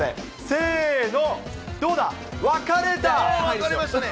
せーの、どうだ？分かれましたね。